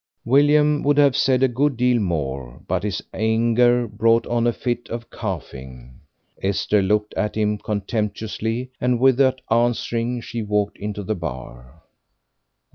William would have said a good deal more, but his anger brought on a fit of coughing. Esther looked at him contemptuously, and without answering she walked into the bar.